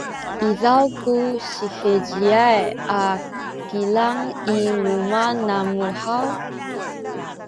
izaw ku siheciay a kilang i luma’ namu haw?